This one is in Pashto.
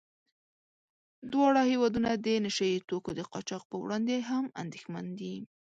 دواړه هېوادونه د نشه يي توکو د قاچاق په وړاندې هم اندېښمن دي.